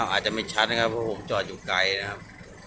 อาจจะไม่ชัดครับว่ามองจอดอยู่ไกลนะครับ